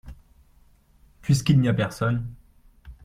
Puisqu’il n’y a personne.